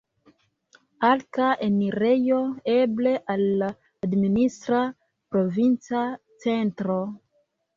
Arka enirejo, eble, al la administra provinca centro.